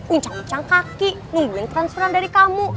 uncang incang kaki nungguin transferan dari kamu